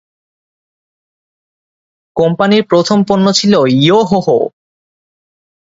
কোম্পানির প্রথম পণ্য ছিল ইয়োহোহো!